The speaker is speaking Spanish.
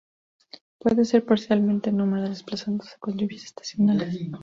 Puede ser parcialmente nómada, desplazándose con las lluvias estacionales.